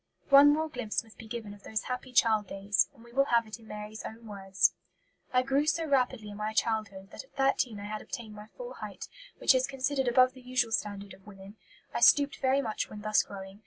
One more glimpse must be given of those happy child days, and we will have it in Mary's own words: "I grew so rapidly in my childhood, that at thirteen I had obtained my full height, which is considered above the usual standard of women. I stooped very much when thus growing.